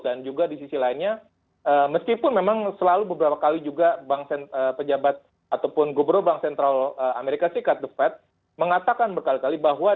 juga di sisi lainnya meskipun memang selalu beberapa kali juga bank pejabat ataupun gubernur bank sentral amerika serikat the fed mengatakan berkali kali bahwa